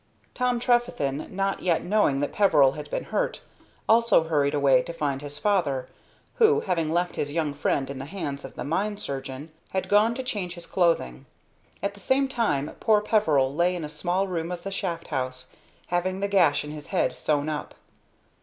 Tom Trefethen, not yet knowing that Peveril had been hurt, also hurried away to find his father, who, having left his young friend in the hands of the mine surgeon, had gone to change his clothing. At the same time poor Peveril lay in a small room of the shaft house, having the gash in his head sewn up.